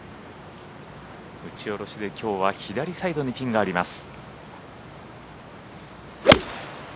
打ち下ろしできょうは左サイドにピンがあります。